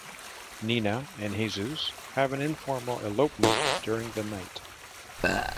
Nina and Jesus have an informal elopement during the night.